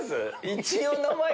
一応。